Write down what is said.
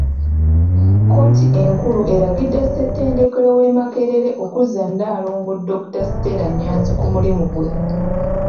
Kkooti enkulu eragidde Ssettendekero w'e Makerere okuzza Nalongo Dokita Stella Nyanzi ku mulimu gwe.